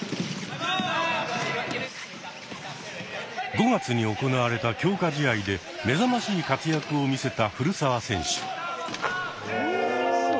５月に行われた強化試合で目覚ましい活躍を見せた古澤選手。